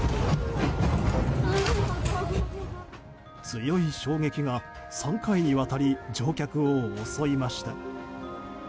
強い衝撃が３回にわたり乗客を襲いました。